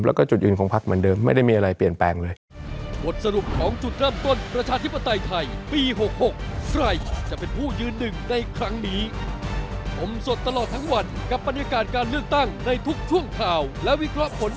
แล้วก็จุดยืนของพักเหมือนเดิมไม่ได้มีอะไรเปลี่ยนแปลงเลย